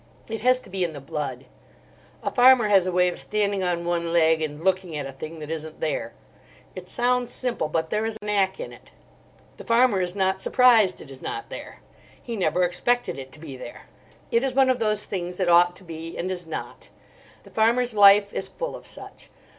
It has to be in the blood. A farmer has a way of standing on one leg and looking at a thing that isn't there. It sounds simple, but there is knack in it. The farmer is not surprised it is not there. He never expected it to be there. It is one of those things that ought to be, and is not. The farmer's life is full of such.